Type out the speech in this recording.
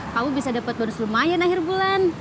kamu bisa dapat bonus lumayan akhir bulan